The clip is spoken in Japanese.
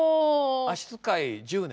足遣い１０年。